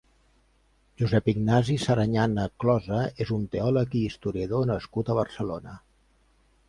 Josep-Ignasi Saranyana Closa és un teòleg i historiador nascut a Barcelona.